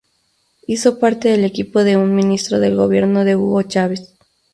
Hizo parte del equipo de un ministro del gobierno de Hugo Chávez.